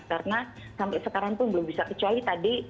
karena sampai sekarang pun belum bisa kecuali tadi